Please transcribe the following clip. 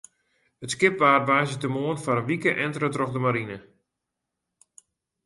It skip waard woansdeitemoarn foar in wike entere troch de marine.